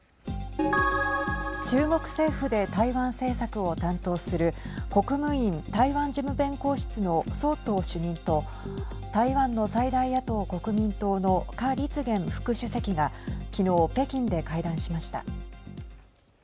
中国政府で台湾政策を担当する国務院台湾事務弁公室の宋涛主任と台湾の最大野党・国民党の夏立言副主席が昨日北京で会談しました。